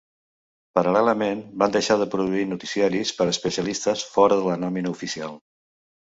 Paral·lelament, van deixar de produir noticiaris per especialistes fora de la nòmina oficial.